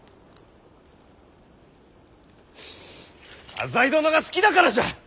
浅井殿が好きだからじゃ！